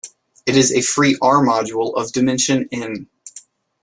It is a free "R"-module of dimension "n".